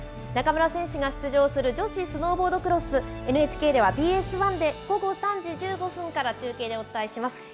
中村選手が出場する女子スノーボードクロス、ＮＨＫではＢＳ１で午後３時１５分から中継でお伝えします。